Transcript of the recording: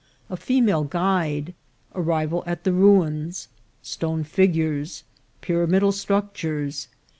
— A Female Guide. — Arrival at the Ruins. — Stone Figures. — Pyrami dal Structures.